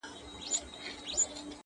یو سړي ؤ په یو وخت کي سپی ساتلی,